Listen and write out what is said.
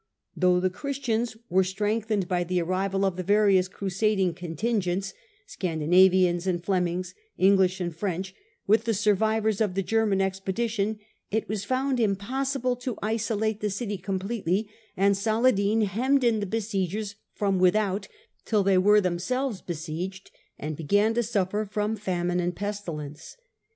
Though the Christians were strengthened by the arrival of the various crusading contingents, Scandi navians and Flemings, English, and French, with the survivors of the German expedition, it was found im possible to isolate the city completely, and Saladin hemmed in the besiegers from without till they were them selves besieged, and began to suffer from famine and pesti lence.